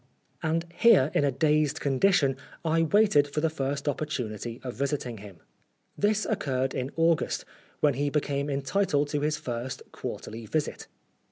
And here, in a dazed condition, I waited for the first opportunity of visiting him. This occurred in August, when he became entitled to his first quarterly visit.